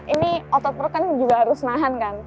ini otot perut kan juga harus nahan kan